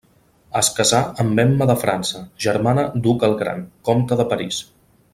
Es casà amb Emma de França, germana d'Hug el Gran, comte de París.